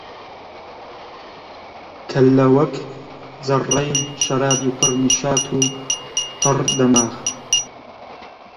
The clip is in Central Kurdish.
کەللە وەک جەڕڕەی شەرابی پر نیشات و تەڕ دەماغ